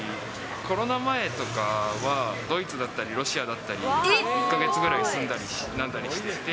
コロナ前とかは、ドイツだったりロシアだったり、１か月ぐらい住んだりなんかしてて。